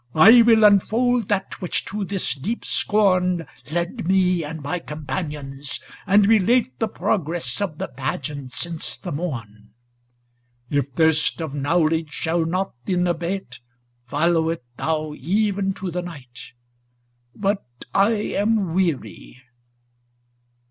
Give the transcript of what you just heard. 19┬░ ' I will unfold that which to this deep scorn Led me and my companions, and relate The progress of the pageant since the morn. ' If thirst of knowledge shall not then abate, Follow it thou even to the night; but I Am weary.'